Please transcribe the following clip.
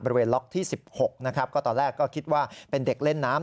ล็อกที่๑๖นะครับก็ตอนแรกก็คิดว่าเป็นเด็กเล่นน้ำ